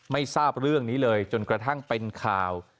ไม่ทราบเรื่องนี้เลยจนกระทั่งเป็นข่าว